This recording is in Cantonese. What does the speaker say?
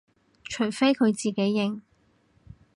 除非佢自己認